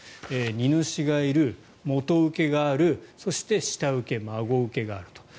荷主がいる、元請けがあるそして下請け、孫請けがあると。